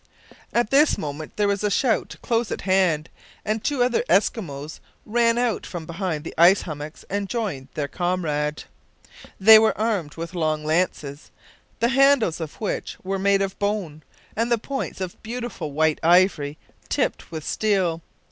At this moment there was a shout close at hand, and two other Eskimos ran out from behind the ice hummocks and joined their comrade. They were armed with long lances, the handles of which were made of bone, and the points of beautiful white ivory tipped with steel.